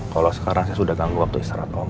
kalo sekarang saya sudah ganggu waktu istirahat om